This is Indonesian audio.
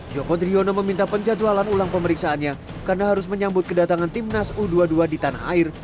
joko driono meminta penjadwalan ulang pemeriksaannya karena harus menyambut kedatangan timnas u dua puluh dua di tanah air